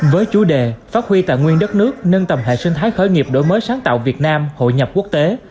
với chủ đề phát huy tạng nguyên đất nước nâng tầm hệ sinh thái khởi nghiệp đổi mới sáng tạo việt nam hội nhập quốc tế